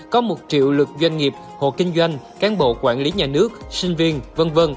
có một triệu lượt doanh nghiệp hộ kinh doanh cán bộ quản lý nhà nước sinh viên v v